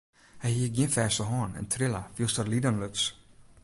Hy hie gjin fêste hân en trille wylst er linen luts.